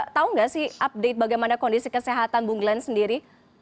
tahu nggak sih update bagaimana kondisi kesehatan bung glenn sendiri